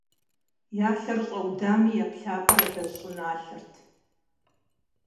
Я лъэр щӏаудами, я плъапӏэр адэжь щӏыналъэрт.